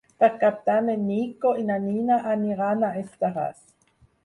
Per Cap d'Any en Nico i na Nina aniran a Estaràs.